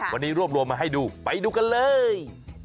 วันนี้รวบรวมมาให้ดูไปดูกันเลย